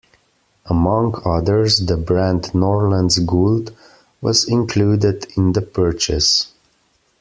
Among others, the brand Norrlands Guld was included in the purchase.